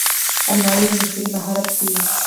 الماري د مستري مهارت ښيي